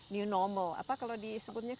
new normal apa kalau disebutnya